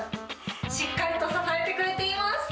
しっかりと支えてくれています。